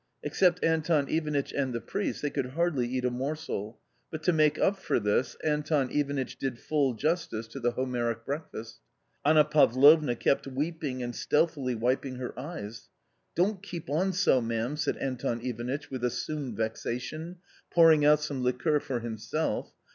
Except Anton Ivanitch and the priest, they could hardly eat a morsel, but to make up for this, Anton Ivanitch did full justice to the Homeric breakfast. Anna Pavlovna kept weeping and stealthily wiping her eyes. " Don't keep on so, ma'am," said Anton Ivanitch with assumed vexation, pouring out some liqueur for himself.